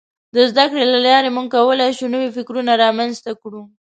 د زدهکړې له لارې موږ کولای شو نوي فکرونه رامنځته کړو.